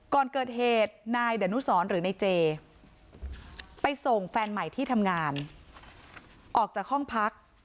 ก่อนเกิดเหตุนายดนุสรหรือนายเจไปส่งแฟนใหม่ที่ทำงานออกจากห้องพัก